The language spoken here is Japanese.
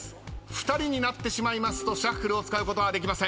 ２人になってしまいますとシャッフルを使うことはできません。